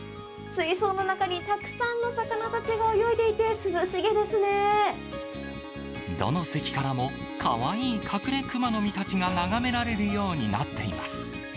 水槽の中にたくさんの魚たちが泳いでいて、どの席からも、かわいいカクレクマノミたちが眺められるようになっています。